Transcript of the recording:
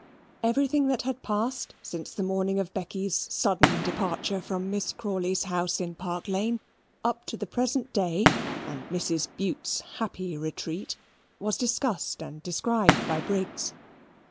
Everything that had passed since the morning of Becky's sudden departure from Miss Crawley's house in Park Lane up to the present day, and Mrs. Bute's happy retreat, was discussed and described by Briggs.